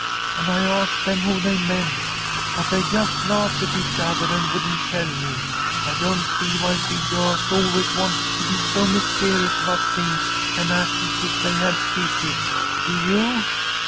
And I asked them who they meant, but they just laughed at each other and wouldn't tell me. I don't see why big girls always want to be so mysterious about things and act as if they had secrets. Do you?"